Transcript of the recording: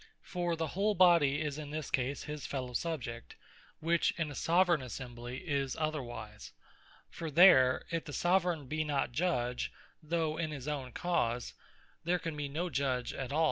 For the whole Body is in this case his fellow subject, which in a Soveraign Assembly, is otherwise: for there, if the Soveraign be not Judge, though in his own cause, there can be no Judge at all.